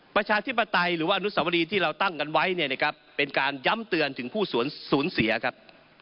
ประชาธิปไตยหรือว่าอนุสวรีที่เราตั้งกันไว้เนี่ยนะครับเป็นการย้ำเตือนถึงผู้สูญเสียครับ